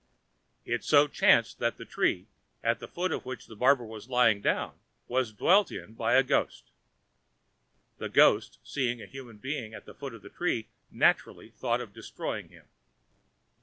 It so chanced that the tree, at the foot of which the barber was lying down, was dwelt in by a ghost. The ghost seeing a human being at the foot of the tree naturally thought of destroying him.